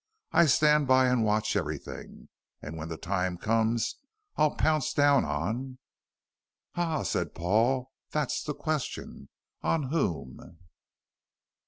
I stand by and watch everything. When the time comes I'll pounce down on " "Ah," said Paul, "that's the question. On whom?"